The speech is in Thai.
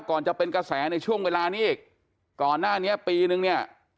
ก่อนจะเป็นกระแสในช่วงเวลานี้อีกก่อนหน้านี้ปีนึงเนี่ย